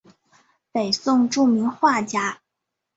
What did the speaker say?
北宋著名画家。